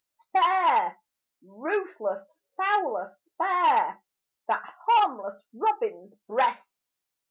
Spare, ruthless fowler, spare That harmless robin's breast!